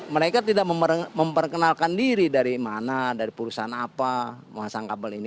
mereka tidak memperkenalkan diri dari mana dari perusahaan apa memasang kabel ini